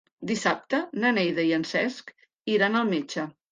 Dissabte na Neida i en Cesc iran al metge.